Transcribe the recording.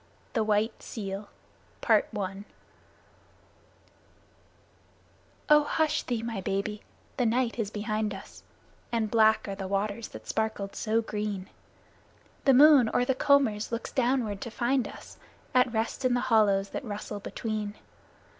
The White Seal Oh! hush thee, my baby, the night is behind us, And black are the waters that sparkled so green. The moon, o'er the combers, looks downward to find us At rest in the hollows that rustle between.